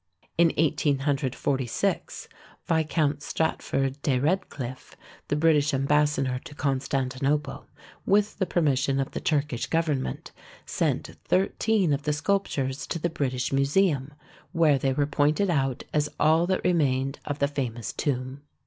In 1846 Viscount Stratford de Redcliffe, the British Ambassador to Constantinople, with the permission of the Turkish Government, sent thirteen of the sculp tures to the British Museum, where they were pointed out as all that remained of the famous tomb.